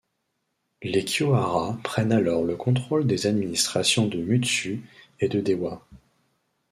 Les Kiyohara prennent alors le contrôle des administrations de Mutsu et de Dewa.